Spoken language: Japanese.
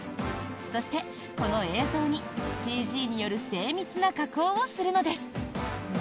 そしてこの映像に、ＣＧによる精密な加工をするのです。